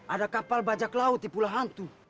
ada kapal bajak laut di pulau hantu